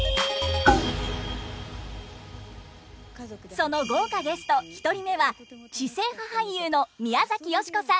その豪華ゲスト１人目は知性派俳優の宮崎美子さん。